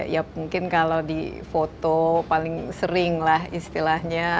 ya mungkin kalau di foto paling seringlah istilahnya